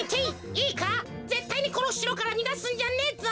いいかぜったいにこのしろからにがすんじゃねえぞ。